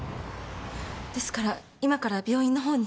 ですから今から病院の方に。